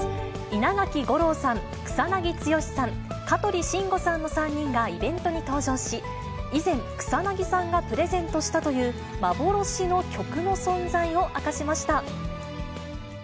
稲垣吾郎さん、草なぎ剛さん、香取慎吾さんの３人がイベントに登場し、以前、草なぎさんがプレゼントしたという、幻の曲の存在を明かしました。